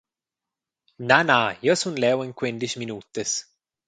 Na, na … Jeu sun leu en quendisch minutas.